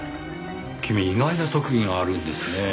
君意外な特技があるんですねぇ。